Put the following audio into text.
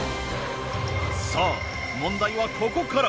さあ問題はここから。